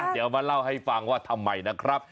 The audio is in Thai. เดี๋ยวมาเล่าให้ฟังว่าทำไมนะครับ